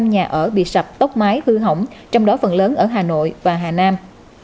một bốn trăm hai mươi năm nhà ở bị sập tóc mái hư hỏng trong đó phần lớn ở hà nội và hà nam